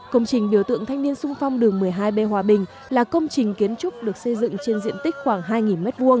công trình biểu tượng thanh niên sung phong đường một mươi hai b hòa bình là công trình kiến trúc được xây dựng trên diện tích khoảng hai m hai